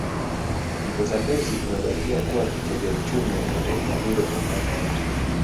Mto Zambezi umebakia kuwa kitega uchumi kwa taifa hilo kwa miaka yote